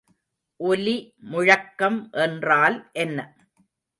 ஒலிமுழக்கம் என்றால் என்ன?